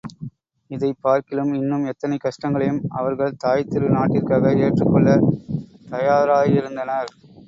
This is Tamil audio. இதைப்பார்க்கிலும் இன்னும் எத்தனைகஷ்டங்களையும் அவர்கள் தாய்த்திரு நாட்டிற்காக ஏற்றுக் கொள்ளத் தயாராயிருந்தனர்.